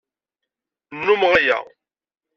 Nnummeɣ aya.